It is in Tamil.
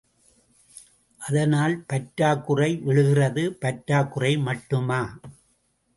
அதனால் பற்றாக்குறை விழுகிறது, பற்றாக் குறை மட்டுமா?